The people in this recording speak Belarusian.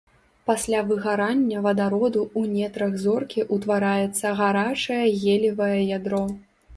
Пасля выгарання вадароду ў нетрах зоркі ўтвараецца гарачае геліевае ядро.